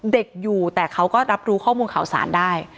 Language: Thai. เด็กอยู่แต่เขาก็รับรู้ข้อมูลข่าวสารได้